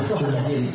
itu harga diri